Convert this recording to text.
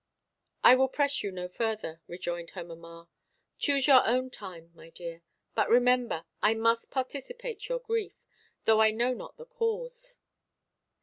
"I will press you no further," rejoined her mamma. "Choose your own time, my dear; but remember, I must participate your grief, though I know not the cause."